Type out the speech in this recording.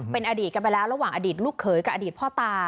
เป็นอดีตกันไปแล้วระหว่างอดีตลูกเขยกับอดีตพ่อตา